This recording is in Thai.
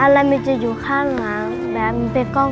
บางก็หนาวแล้วก็